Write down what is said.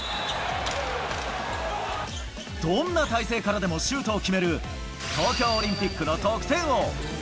どんな体勢からでもシュートを決める、東京オリンピックの得点王。